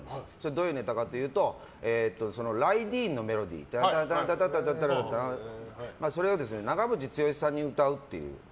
どういうネタかというと「ライディーン」のメロディーを長渕剛さん